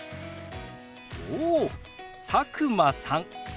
おお佐久間さんですね。